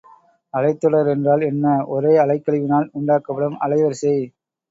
அலைத்தொடர் என்றால் என்ன ஒரே அலைக்கழிவினால் உண்டாக்கப்படும் அலை வரிசை.